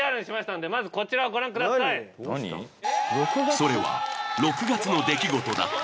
それは６月の出来事だった。